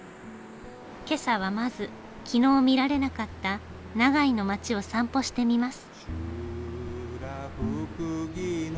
今朝はまず昨日見られなかった長井の町を散歩してみます。